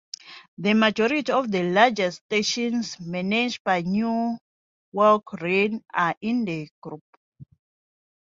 The majority of the larger stations managed by Network Rail are in the group.